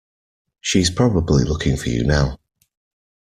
She's probably looking for you now.